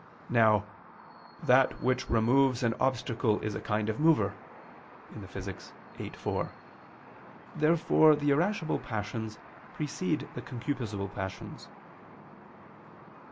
Now "that which removes an obstacle, is a kind of mover" (Phys. viii, 4). Therefore the irascible passions precede the concupiscible passions.